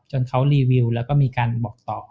เขารีวิวแล้วก็มีการบอกต่อ